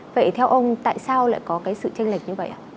vậy theo ông tại sao lại có sự tranh lệch như vậy